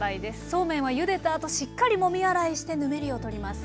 そうめんはゆでたあとしっかりもみ洗いしてぬめりを取ります。